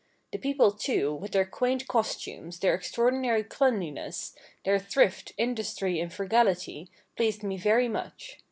The people, too, with their quaint costumes, their extraordinary cleanliness, their thrift, industry and frugality, pleased me very much.